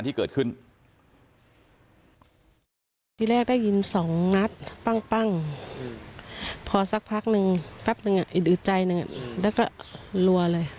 แล้วก็ก็หลัวเลย